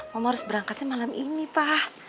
mama harus berangkatnya malam ini pak